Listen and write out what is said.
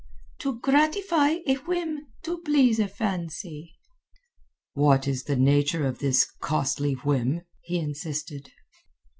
"To gratify a whim, to please a fancy." "What is the nature of this costly whim?" he insisted.